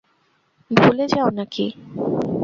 ভুলে যাও নাকি?